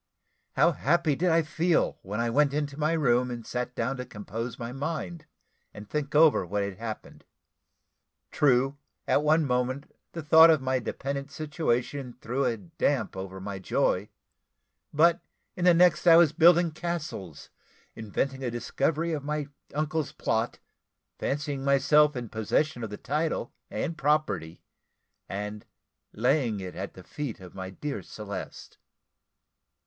How happy did I feel when I went into my room, and sat down to compose my mind, and think over what had happened. True, at one moment, the thought of my dependent situation threw a damp over my joy; but in the next I was building castles, inventing a discovery of my uncle's plot, fancying myself in possession of the title and property, and laying it at the feet of my dear Celeste.